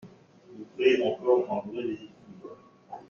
Vous créez encore un vrai déséquilibre.